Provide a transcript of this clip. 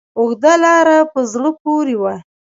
اوږده لاره په زړه پورې وه.